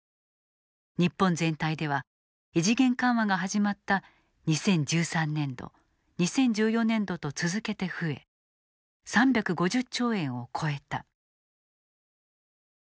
日本全体では異次元緩和が始まった２０１３年度、２０１４年度と続けて増え、３５０兆円を超えた。